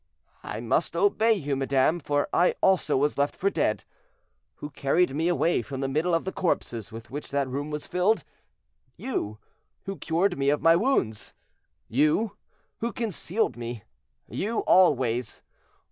"I must obey you, madame, for I also was left for dead. Who carried me away from the middle of the corpses with which that room was filled?—You. Who cured me of my wounds?—You. Who concealed me?—You always.